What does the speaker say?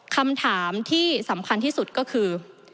คำถามที่สำคัญที่สุดก็คือ